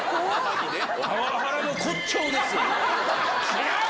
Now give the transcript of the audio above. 違う。